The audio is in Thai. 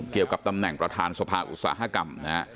เกี่ยวกับตำแหน่งประธานสภาอุตสาหกรรมนะฮะ